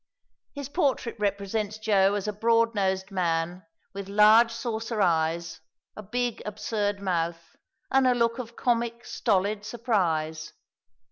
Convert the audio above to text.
His portrait represents Joe as a broad nosed man with large saucer eyes, a big absurd mouth, and a look of comic stolid surprise.